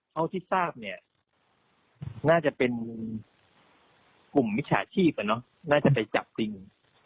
เท่าที่ทราบเนี่ยน่าจะเป็นกลุ่มมิจฉาชีพน่าจะไปจับจริง